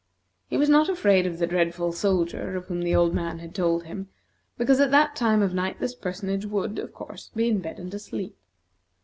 He was not afraid of the dreadful soldier of whom the old man had told him, because at that time of night this personage would, of course, be in bed and asleep.